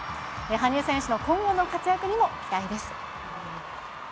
羽生選手の今後の活躍にも期待です。